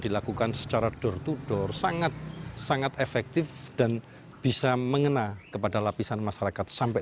dilakukan secara door to door sangat sangat efektif dan bisa mengena kepada lapisan masyarakat sampai